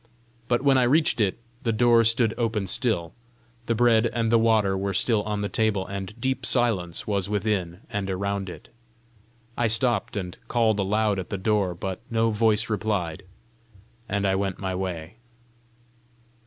But when I reached it, the door stood open still; the bread and the water were still on the table; and deep silence was within and around it. I stopped and called aloud at the door, but no voice replied, and I went my way.